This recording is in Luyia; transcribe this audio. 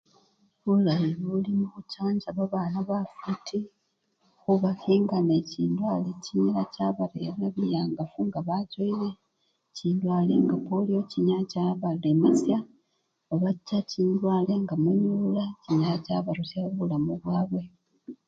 Bulayi buli mukhuchanja babana bafwiti, khubakhinga nende chindwale chinyala chabarerera biyangafu nga bachowile, chindwale nga poliyo chinyala chabalemasya, obata chindwale nga munyulula chinyala chabarusyawo bulamu bwabwe.